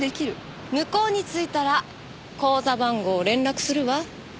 向こうに着いたら口座番号を連絡するわ。